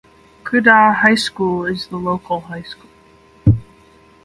Cudahy High School is the local high school.